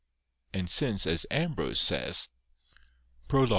And since, as Ambrose says (Prolog.